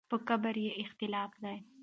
په قبر یې اختلاف دی.